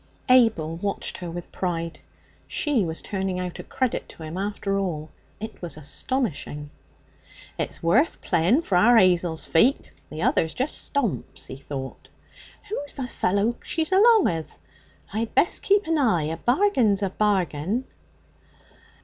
Abel watched her with pride. She was turning out a credit to him, after all. It was astonishing. 'It's worth playing for our 'Azel's feet. The others just stomps,' he thought. 'Who's the fellow she's along with? I'd best keep an eye. A bargain's a bargain.'